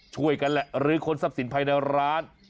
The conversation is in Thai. ช่วยกันแหละหรือคนทรัพย์สินภายในร้าน